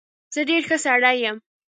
زه ډېر ښه سړى يم.